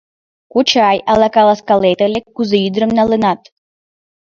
— Кочай, ала каласкалет ыле, кузе ӱдырым налынат?